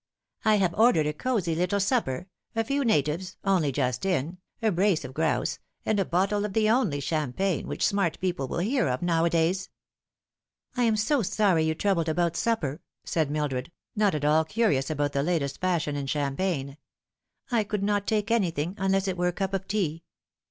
I have ordered a cosy little supper a few natives, only just in, a brace of grouse, and a bottle of the only champagne which smart people will hear of nowadays." " I am so sorry you troubled about supper," said Mildred, not at all curious about the latest fashion in champagne. " I could not take anything, unless it were a cup of tea."